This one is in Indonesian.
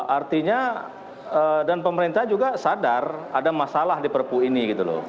artinya dan pemerintah juga sadar ada masalah di perpu ini gitu loh